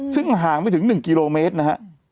ซึ่งห่างไม่ถึง๑กิโลเมตรนะฮะ